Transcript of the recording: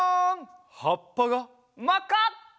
はっぱがまっか！